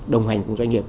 đồng hành cùng doanh nghiệp